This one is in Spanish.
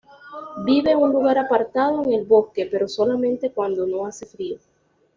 Vive en un lugar apartado, en el bosque, pero solamente cuando no hace frío.